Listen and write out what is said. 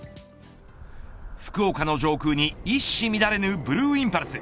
福岡の上空に一糸乱れぬブルーインパルス。